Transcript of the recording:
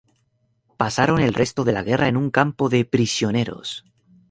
Pasaron el resto de la guerra en un campo de prisioneros.